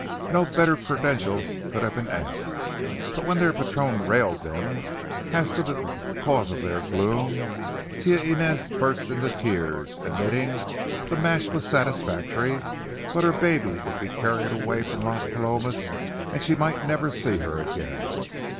No better credentials could have been asked. But when their patron rallied them as to the cause of their gloom, Tia Inez burst into tears, admitting the match was satisfactory, but her baby would be carried away from Las Palomas and she might never see her again.